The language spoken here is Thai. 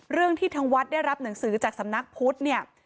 เรื่องที่ทางวัดได้รับหนังสือจากสำนักพุทธเนี่ย